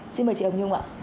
xin mời chị hồng nhung ạ